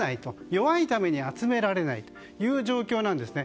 弱いために集められないという状況なんですね。